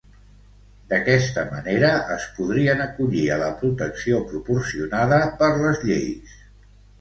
D'aquesta manera, es podrien acollir a la protecció proporcionada per les lleis.